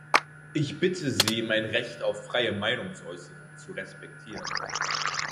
Ich bitte Sie, mein Recht auf freie Meinungsäußerung zu respektieren.